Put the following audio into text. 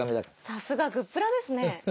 さすが「＃グップラ」ですね。